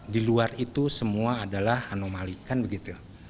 di luar itu semua adalah anomali kan begitu